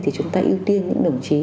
thì chúng ta ưu tiên những đồng chí